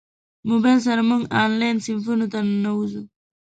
موبایل سره موږ انلاین صنفونو ته ننوځو.